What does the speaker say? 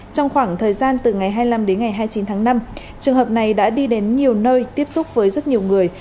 trong khoảng thời gian từ ngày hai mươi năm đến ngày hai mươi chín tháng năm trường hợp này đã đi đến nhiều nơi tiếp xúc với rất nhiều người